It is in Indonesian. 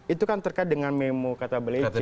itu kan terkait dengan memo kata beleja